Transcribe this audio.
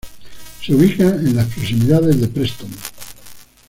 Se ubica en las proximidades de Preston.